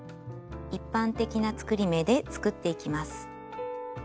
一般的な作り目で作っていきます。